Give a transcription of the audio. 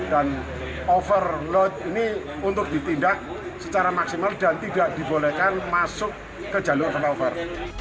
overload ini untuk ditindak secara maksimal dan tidak dibolehkan masuk ke jalur flyover